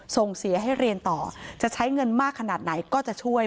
ส่งเสียให้เรียนต่อจะใช้เงินมากขนาดไหนก็จะช่วย